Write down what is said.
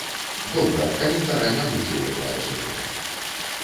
Добра, каментара не будзе, як я разумею?